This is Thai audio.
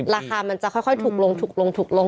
ราคามันจะค่อยถูกลงถูกลงถูกลง